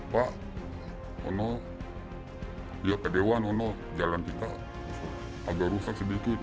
pak kadewan jalan kita agak rusak sedikit